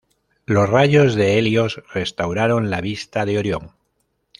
Los rayos de Helios restauraron la vista de Orión.